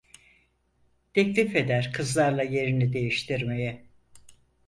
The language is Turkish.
Teklif eder kızlarla yerini değiştirmeye…